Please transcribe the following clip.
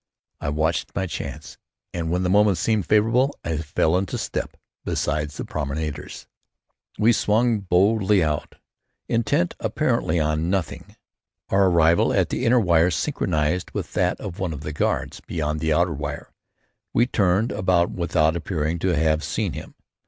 I watched my chance, and when the moment seemed favorable, fell into step beside the promenaders. We swung boldly out, intent apparently, on nothing. Our arrival at the inner wire synchronized with that of one of the guards beyond the outer wire. We turned about without appearing to have seen him.